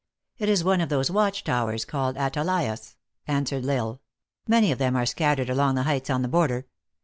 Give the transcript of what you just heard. "It is one of those watch towers called atalaias" answered L Isle. " Many of them are scattered along the heights on the border.